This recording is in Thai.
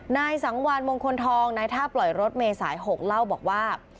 นายสังวานมงคลทองนายท่าปล่อยรถเมษาย๖เล่าบอกว่า